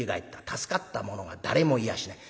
助かった者は誰もいやしない」。